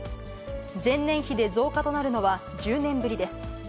前年比で増加となるのは１０年ぶりです。